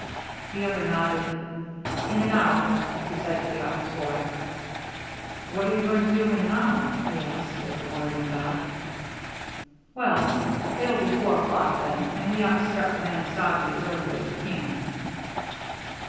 The other nodded. "In an hour," he said to the office boy. "What are you going to do in an hour?" he asked, as the boy went out. "Why, it'll be four o'clock then, and we ought to start for Manistogee as early as we can."